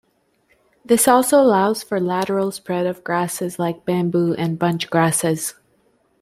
This also allows for lateral spread of grasses like bamboo and bunch grasses.